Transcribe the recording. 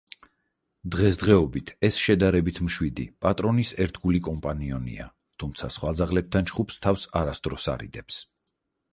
დღესდღეობით ეს შედარებით მშვიდი, პატრონის ერთგული კომპანიონია, თუმცა სხვა ძაღლებთან ჩხუბს თავს არასოდეს არიდებს.